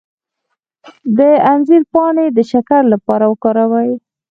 د انځر پاڼې د شکر لپاره وکاروئ